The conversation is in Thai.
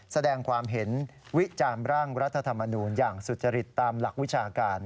แสดงความเห็นวิจารณ์ร่างรัฐธรรมนูญอย่างสุจริตตามหลักวิชาการ